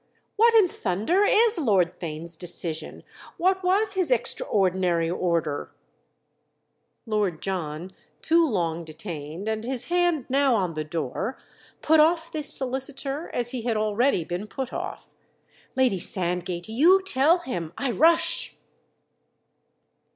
What in thunder is Lord Theign's decision—what was his 'extraordinary order'?" Lord John, too long detained and his hand now on the door, put off this solicitor as he had already been put off. "Lady Sandgate, you tell him! I rush!"